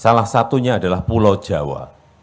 salah satunya adalah pulau jawa